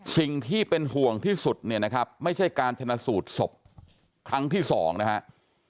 สิ่งที่เป็นห่วงที่สุดเนี่ยนะครับไม่ใช่การชนะสูตรศพครั้งที่สองนะครับ